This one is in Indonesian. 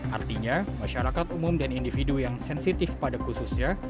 artinya masyarakat umum dan individu yang sensitif pada khususnya